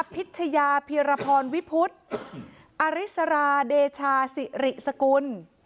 พิชยาเพียรพรวิพุทธอริสราเดชาสิริสกุล